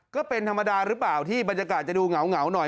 ก็เป็นธรรมดาหรือเปล่าที่บรรยากาศจะดูเหงาหน่อย